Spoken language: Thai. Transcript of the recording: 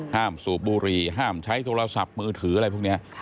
สูบบุหรี่ห้ามใช้โทรศัพท์มือถืออะไรพวกนี้